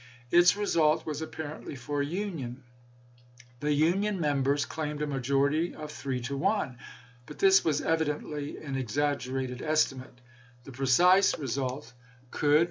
Its result was lsei. apparently for union ;. the Union members claimed a majority of three to one. But this was evidently an exaggerated estimate. The precise result could 422 ABRAHAM LINCOLN cn.